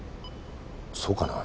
そうかな？